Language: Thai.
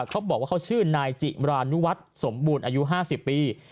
เขาบอกว่าเขาชื่อนายจิมรานุวัฒน์สมบูรณ์อายุ๕๐ปี